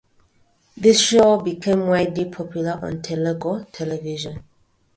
This show became widely popular on Telugu Television.